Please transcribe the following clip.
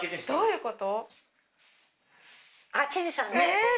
どういうこと？